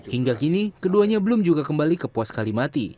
hingga kini keduanya belum juga kembali ke pos kalimati